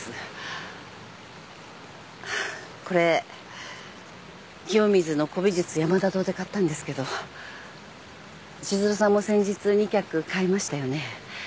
これ清水の古美術山田堂で買ったんですけど千鶴さんも先日２客買いましたよね。